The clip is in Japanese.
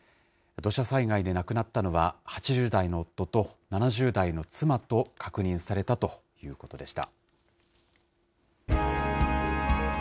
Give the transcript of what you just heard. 土砂災害で亡くなったのは、８０代の夫と７０代の妻と確認されたということでした。